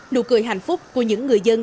nụ cười hạnh phúc của những người dân tp hcm